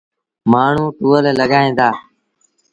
مآڻهوٚݩ ٽوئيل لڳائيٚݩ دآ۔